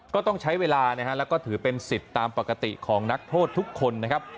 ก็ต้องใช้เวลานะฮะแล้วก็ถือเป็นสิทธิ์ตามปกติของนักโทษทุกคนนะครับ